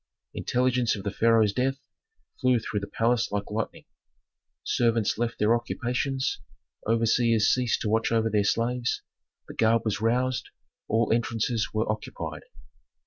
Intelligence of the pharaoh's death flew through the palace like lightning. Servants left their occupations, overseers ceased to watch over their slaves, the guard was roused; all entrances were occupied.